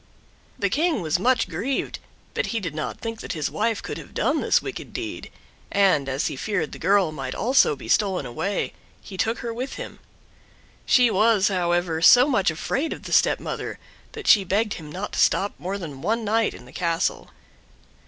The King was much grieved, but he did not think that his wife could have done this wicked deed, and, as he feared the girl might also be stolen away, he took her with him. She was, however, so much afraid of the stepmother, that she begged him not to stop more than one night in the castle.